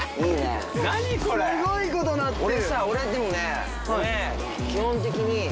何これ⁉すごいことになってる！